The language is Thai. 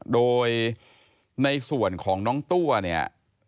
โดยในส่วนของน้องตัวเนี่ย